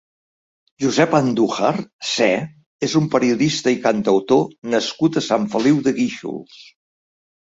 Josep Andújar "Sé" és un periodista i cantautor nascut a Sant Feliu de Guíxols.